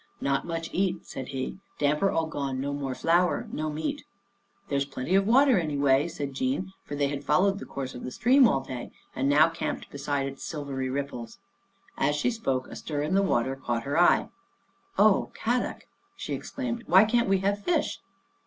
" Not much eat," said he. " Damper all gone, no more flour. No meat." " There's plenty of water, anyway," said Jean, for they had followed the course of the stream all day and now camped beside its sil very ripples. As she spoke, a stir in the water caught her eye. " Oh, Kadok," she exclaimed, " why can't we have fish?